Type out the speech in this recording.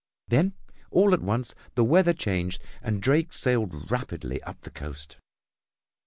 Then all at once the weather changed and Drake sailed rapidly up the coast.